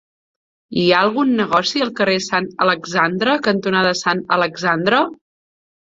Hi ha algun negoci al carrer Sant Alexandre cantonada Sant Alexandre?